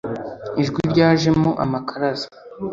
ijwi ryajemo amakaraza